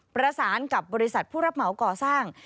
ประสานกับบริษัทผู้รับเหมาก่อสร้าง